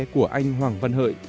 của anh hoàng văn hợi